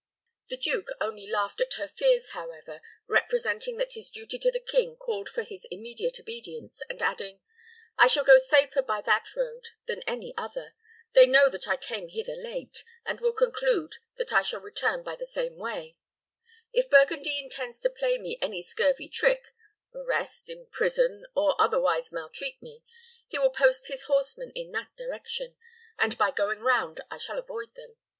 The duke only laughed at her fears, however, representing that his duty to the king called for his immediate obedience, and adding, "I shall go safer by that road than any other. They know that I came hither late, and will conclude that I shall return by the same way. If Burgundy intends to play me any scurvy trick arrest, imprison, or otherwise maltreat me he will post his horsemen in that direction, and by going round I shall avoid them.